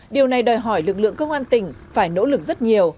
điều này đòi hỏi lực lượng công an tỉnh phải nỗ lực rất nhiều